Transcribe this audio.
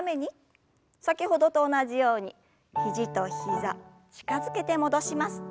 先ほどと同じように肘と膝近づけて戻します。